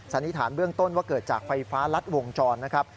สันนิษฐานเบื้องต้นว่าเกิดจากไฟฟ้ารัดวงจรนะครับ